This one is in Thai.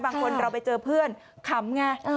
บางคนเราไปเจอเพื่อนขำไง